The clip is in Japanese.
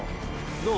どう？